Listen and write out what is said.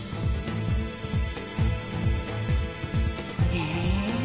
へえ。